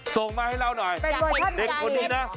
ส่งมาให้เราหน่อยเด็กคนนี้นะ